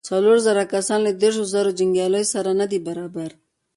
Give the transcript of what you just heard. څلور زره کسان له دېرشو زرو جنګياليو سره نه دې برابر.